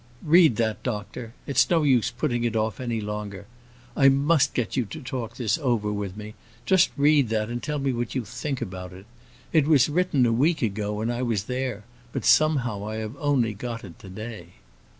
Read that, doctor. It's no use putting it off any longer. I must get you to talk this over with me. Just read that, and tell me what you think about it. It was written a week ago, when I was there, but somehow I have only got it to day."